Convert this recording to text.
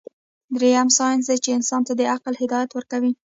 دريم سائنس دے چې انسان ته د عقل هدايت ورکوي